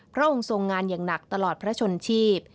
พระองค์ทรงงานอย่างหนักตลอดพระชนชีพ